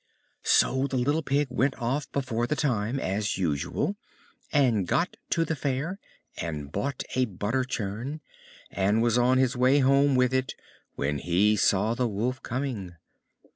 So the little Pig went off before the time, as usual, and got to the Fair, and bought a butter churn, and was on his way home with it when he saw the Wolf coming.